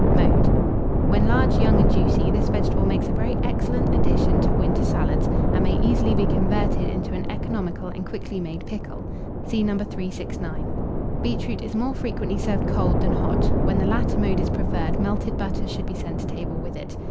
Mode. When large, young, and juicy, this vegetable makes a very excellent addition to winter salads, and may easily be converted into an economical and quickly made pickle. (See No. 369.) Beetroot is more frequently served cold than hot: when the latter mode is preferred, melted butter should be sent to table with it.